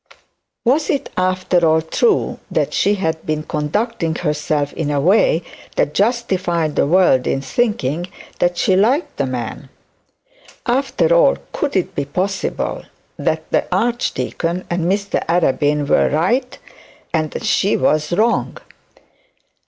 Was it after all true that she had been conducting herself in a way that justified the world in thinking that she liked the man? After all, could it be possible that the archdeacon and Mr Arabin were right, and that she was wrong?